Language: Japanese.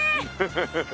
フフフ